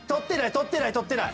取ってない取ってない！